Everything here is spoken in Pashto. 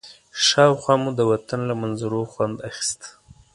شاوخوا مو د وطن له منظرو خوند اخيسته.